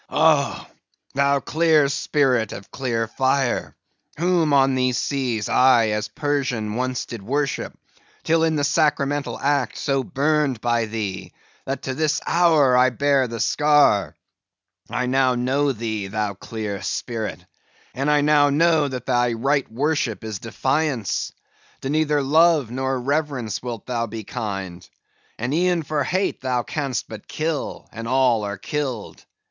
"Oh! thou clear spirit of clear fire, whom on these seas I as Persian once did worship, till in the sacramental act so burned by thee, that to this hour I bear the scar; I now know thee, thou clear spirit, and I now know that thy right worship is defiance. To neither love nor reverence wilt thou be kind; and e'en for hate thou canst but kill; and all are killed.